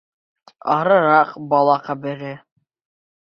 Арыраҡ — бала ҡәбере.